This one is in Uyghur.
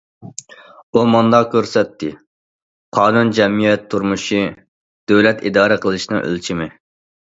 ئۇ مۇنداق كۆرسەتتى: قانۇن جەمئىيەت تۇرمۇشى، دۆلەت ئىدارە قىلىشنىڭ ئۆلچىمى.